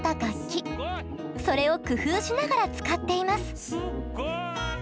それを工夫しながら使っています。